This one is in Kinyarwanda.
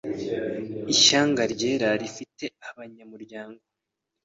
Ishyanga ryera rifite Abanyamuryango